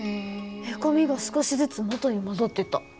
へこみが少しずつ元に戻ってった。